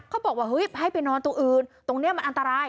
เขาบอกว่าเฮ้ยให้ไปนอนตรงอื่นตรงนี้มันอันตราย